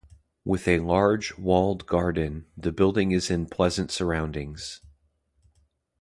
With a large, walled garden, the building is in pleasant surroundings.